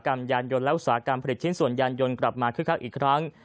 อุตสาหการยานยนต์และอุตสาหการผลิตชินส่วนยานยนต์กลับมาคือคลักอีกครั้ง